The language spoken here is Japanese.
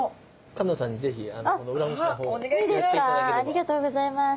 ありがとうございます。